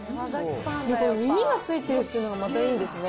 これ耳がついてるっていうのがまたいいですね。